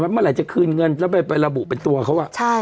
เมื่อไหร่จะคืนเงินแล้วไประบุเป็นตัวเขา